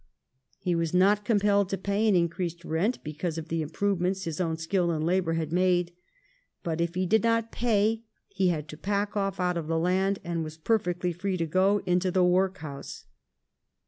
He was not compelled to pay an increased rent because of the improvements his own skill and labor had made, but if he did not pay he had to pack off out of the land, and was perfectly free to go into the workhouse.